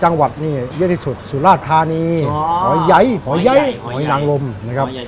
จังหวัดนี่เยอะที่สุดสุราธารณีอ๋อหอยไหนะครับ